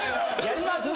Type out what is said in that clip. やります？